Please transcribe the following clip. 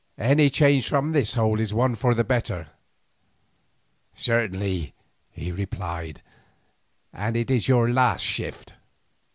Any change from this hole is one for the better." "Certainly," he replied; "and it is your last shift."